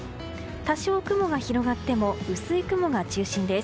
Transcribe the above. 多少、雲が広がっても薄い雲が中心です。